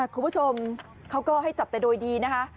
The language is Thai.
คุณผู้ชมเขาก็ให้จับแต่โดยดีนะคะ